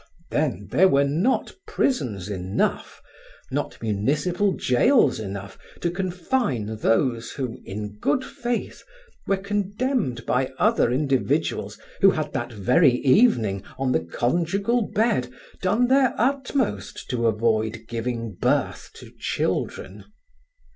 then there were not prisons enough, not municipal jails enough to confine those who, in good faith, were condemned by other individuals who had that very evening, on the conjugal bed, done their utmost to avoid giving birth to children.